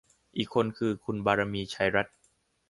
อีกคนคือ คุณบารมี ชัยรัตน์